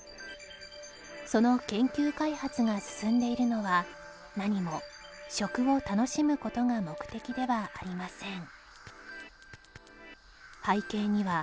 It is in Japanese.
その研究開発が進んでいるのは何も食を楽しむ事が目的ではありません